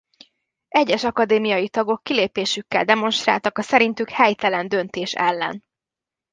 Egyes akadémiai tagok kilépésükkel demonstráltak a szerintük helytelen döntés ellen.